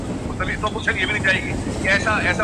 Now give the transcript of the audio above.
کیا وزیر اعظم عمران خان یہ کردار ادا کر سکتے ہیں؟